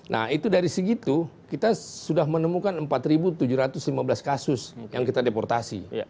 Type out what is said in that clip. nah itu dari segitu kita sudah menemukan empat tujuh ratus lima belas kasus yang kita deportasi